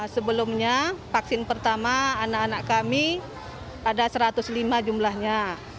sebelumnya vaksin pertama anak anak kami ada satu ratus lima jumlahnya